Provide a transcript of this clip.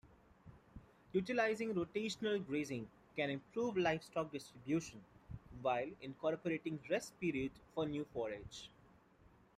Utilizing rotational grazing can improve livestock distribution while incorporating rest period for new forage.